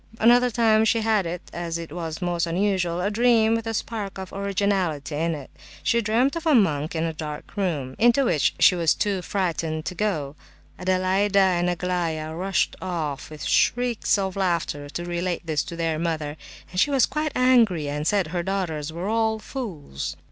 Another time she had—it was most unusual—a dream with a spark of originality in it. She dreamt of a monk in a dark room, into which she was too frightened to go. Adelaida and Aglaya rushed off with shrieks of laughter to relate this to their mother, but she was quite angry, and said her daughters were all fools.